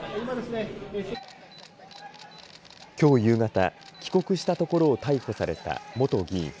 きょう夕方帰国したところを逮捕された元議員。